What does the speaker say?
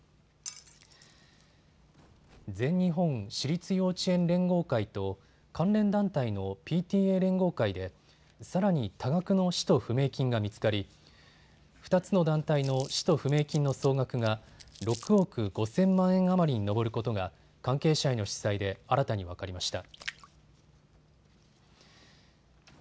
全日本私立幼稚園連合会と関連団体のＰＴＡ連合会でさらに多額の使途不明金が見つかり２つの団体の使途不明金の総額が６億５０００万円余りに上ることが関係者への取材で新たに分かりました。